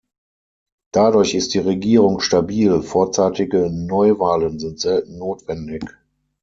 Dadurch ist die Regierung stabil, vorzeitige Neuwahlen sind selten notwendig.